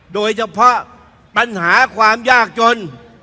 โดยเฉพาะปัญหาความยากจน